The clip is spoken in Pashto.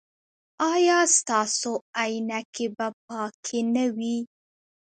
ایا ستاسو عینکې به پاکې نه وي؟